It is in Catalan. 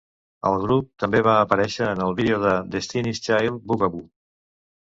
El grup també va aparèixer en el vídeo de Destiny's Child "Bugaboo".